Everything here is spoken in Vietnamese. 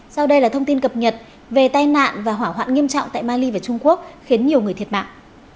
sau đây là thông tin cập nhật về tai nạn và hỏa hoạn nghiêm trọng tại mali và trung quốc khiến nhiều người thiệt mạng